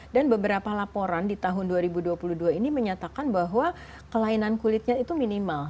dan beberapa laporan di tahun dua ribu dua puluh dua ini menyatakan bahwa kelainan kulitnya itu minimal